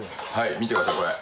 見てくださいこれ。